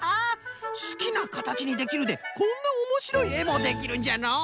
「すきなかたちにできる」でこんなおもしろいえもできるんじゃのう。